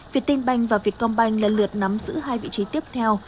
viettin bank và vietcom bank lần lượt nắm giữ hai vị trí tiếp theo